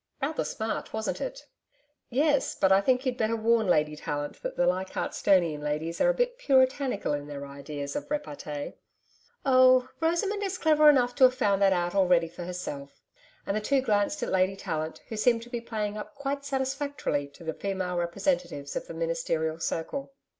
Rather smart, wasn't it?' 'Yes, but I think you'd better warn Lady Tallant that the Leichardt'stonian ladies are a bit Puritanical in their ideas of repartee.' 'Oh, Rosamond is clever enough to have found that out already for herself;' and the two glanced at Lady Tallant, who seemed to be playing up quite satisfactorily to the female representatives of the Ministerial circle.